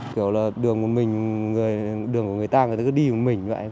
kiểu là đường của mình đường của người ta thì cứ đi mình vậy